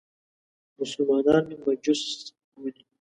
مسلمانان مې مجوس بولي.